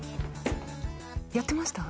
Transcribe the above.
やってました？